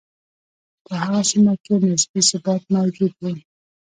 په هغه سیمه کې نسبي ثبات موجود و.